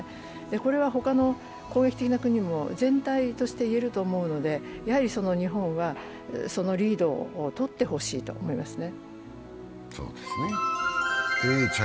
これは他の攻撃的な国も全体として言えると思うので日本はそのリードをとってほしいと思いますね。